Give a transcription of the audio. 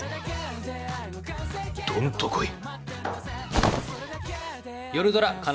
どんと来い。